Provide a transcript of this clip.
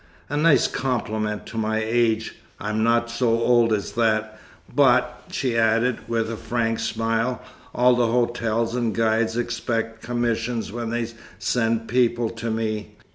A nice compliment to my age. I am not so old as that! But," she added, with a frank smile, "all the hotels and guides expect commissions when they send people to me.